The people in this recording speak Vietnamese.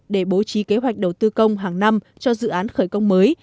để bố trí kế hoạch đầu tư công hàng năm cho dự án khởi công mới